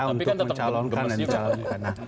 untuk mencalonkan dan mencalonkan